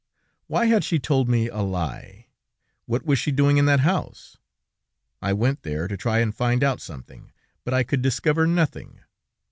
Why had she told me a lie? What was she doing in that house? I went there, to try and find out something, but I could discover nothing.